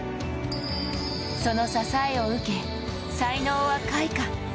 その支えを受け、才能は開花。